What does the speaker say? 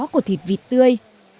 của thịt vịt tươi